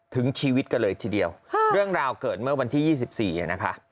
ถึงชีวิตกันเลยทีเดียวเรื่องราวเกิดเมื่อวันที่๒๔นะคะ